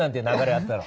あったろ？